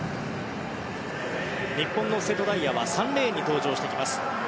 日本の瀬戸大也は３レーンに登場してきます。